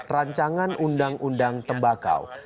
rancangan undang undang tembakau